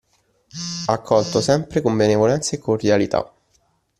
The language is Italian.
Accolto sempre con benevolenza e cordialità